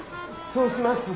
そうします。